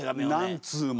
何通も。